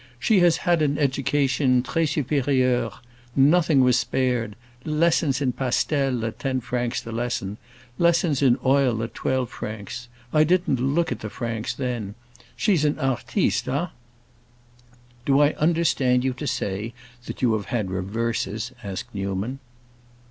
"She has had an education—très supérieure! Nothing was spared. Lessons in pastel at ten francs the lesson, lessons in oil at twelve francs. I didn't look at the francs then. She's an artiste, eh?" "Do I understand you to say that you have had reverses?" asked Newman.